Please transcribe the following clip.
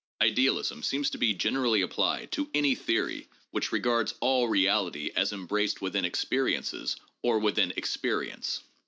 Ideal ism seems to be generally applied to any theory which regards all 694 THE JOURNAL OF PHILOSOPHY reality as embraced within experiences or within Experience.